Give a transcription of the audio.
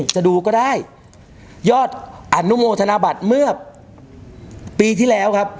จะดูก็ได้ยอดอนุโมธนบัตรเมื่อปีที่แล้วครับ